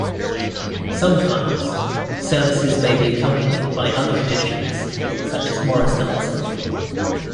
Sometimes, services may be accompanied by other traditions such as Morris dancing.